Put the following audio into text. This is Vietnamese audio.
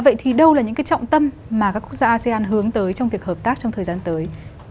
vậy thì đâu là những cái trọng tâm mà các quốc gia asean hướng tới trong việc hợp tác trong thời gian tới